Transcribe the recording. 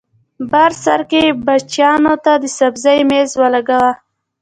بر سر کې بچیانو ته د سبزۍ مېز ولګاوه